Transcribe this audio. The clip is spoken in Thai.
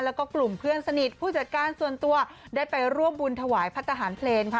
แล้วก็กลุ่มเพื่อนสนิทผู้จัดการส่วนตัวได้ไปร่วมบุญถวายพระทหารเพลงค่ะ